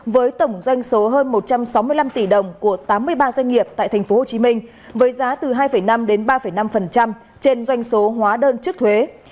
với tổng doanh số hơn một trăm sáu mươi năm tỷ đồng của tám mươi ba doanh nghiệp tại tp hcm với giá từ hai năm đến ba năm trên doanh số hóa đơn trước thuế